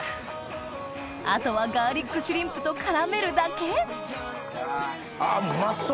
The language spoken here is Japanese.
あとはガーリックシュリンプと絡めるだけあうまそう！